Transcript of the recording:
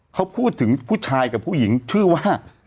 เขาพูดถึงผู้ชายกับผู้หญิงชื่อว่า